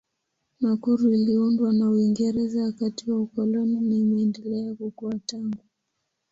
Nakuru iliundwa na Uingereza wakati wa ukoloni na imeendelea kukua tangu.